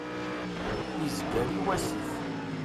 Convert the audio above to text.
Izger i wasif.